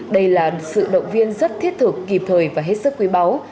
đây là sự động viên rất thiết thực kịp thời và hết sức quý báu